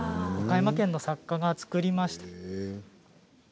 岡山県の作家が作りました。